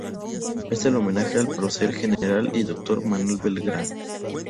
Es en homenaje al prócer general y Dr. Manuel Belgrano.